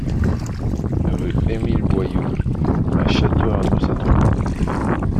Rue Émile Boyoud à Château-Arnoux-Saint-Auban